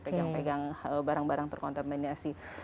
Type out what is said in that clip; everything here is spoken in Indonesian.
pegang pegang barang barang terkontaminasi